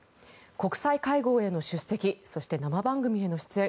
国際会合への出席そして生番組への出演。